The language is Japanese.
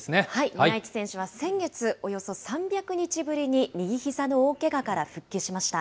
宮市選手は先月、およそ３００日ぶりに右ひざの大けがから復帰しました。